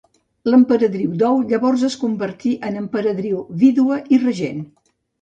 L'Emperadriu Dou llavors es convertí en emperadriu vídua i regent.